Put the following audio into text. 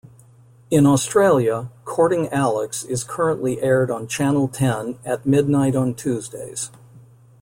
In Australia, "Courting Alex" is currently aired on Channel Ten at midnight on Tuesdays.